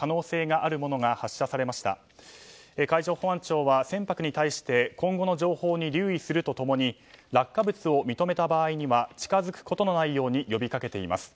海上保安庁は船舶に対して今後の情報に留意すると共に落下物を認めた場合には近づくことのないように呼びかけています。